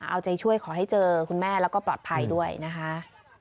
เอาใจช่วยขอให้เจอคุณแม่แล้วก็ปลอดภัยด้วยนะคะ